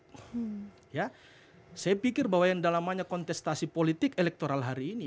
saya pikir bahwa yang dalam hanya kontestasi politik elektoral hari ini